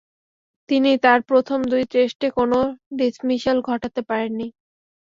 তিনি তার প্রথম দুই টেস্টে কোন ডিসমিসাল ঘটাতে পারেননি।